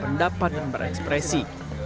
pendapat dan berekspresi